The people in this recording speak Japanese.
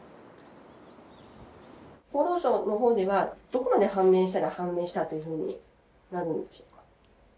厚労省のほうではどこまで判明したら判明したというふうになるんでしょうか。